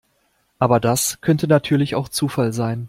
Aber das könnte natürlich auch Zufall sein.